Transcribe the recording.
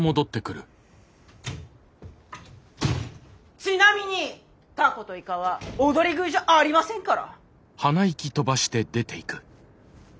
ちなみにタコとイカはおどり食いじゃありませんから！